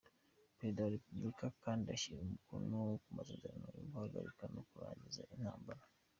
Perezida wa Repubulika kandi ashyira umukono ku masezerano yo guhagarika no kurangiza intambara.